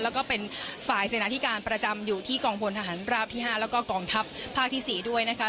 แล้วก็เป็นฝ่ายเสนาธิการประจำอยู่ที่กองพลทหารราบที่๕แล้วก็กองทัพภาคที่๔ด้วยนะคะ